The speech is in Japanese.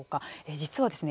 実はですね